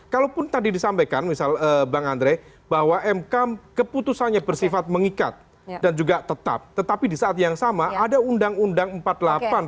kalaupun tadi disampaikan misal bang andre bahwa mk keputusannya bersifat mengikat dan juga tetap tetapi di saat yang sama ada undang undang empat puluh delapan